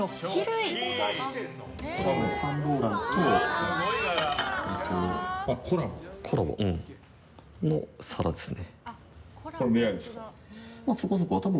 イヴ・サンローランとコラボの皿ですね。